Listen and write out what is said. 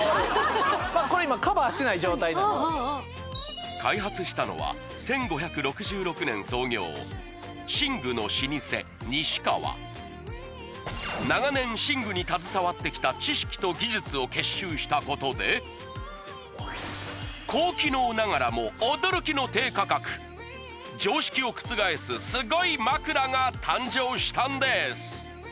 これ今カバーしてない状態開発したのは１５６６年創業寝具の老舗西川長年寝具に携わってきた知識と技術を結集したことで高機能ながらも驚きの低価格常識を覆すすごい枕が誕生したんです